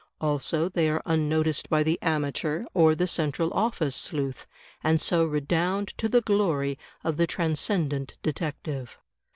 Also they are unnoticed by the amateur or the Central OflSce sleuth, and so redound to the glory of the Transcendent Detective.